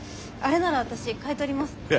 あれなら私買い取ります。